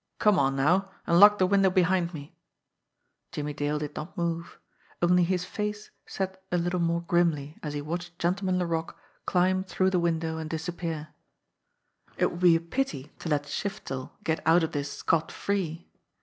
Come on now, and lock the window behind me." Jimmie Dale did not move; only his face set a little more grimly as he watched Gentleman Laroque climb through the 30 JIMMIE DALE AND THE PHANTOM CLUE window and disappear. It would be a pity to let Shiftel get out of this scot free!